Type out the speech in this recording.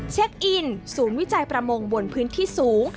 เช็คอินศูนย์วิจัยประมงบนพื้นที่สูง